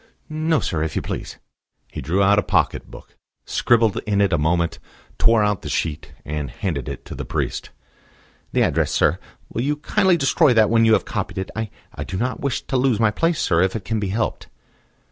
"No, sir; if you please." He drew out a pocket book, scribbled in it a moment, tore out the sheet, and handed it to the priest. "The address, sir. Will you kindly destroy that when you have copied it? I I do not wish to lose my place, sir, if it can be helped."